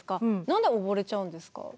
何で溺れちゃうんですか？